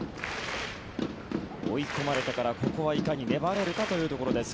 追い込まれてから、ここはいかに粘れるかというところです。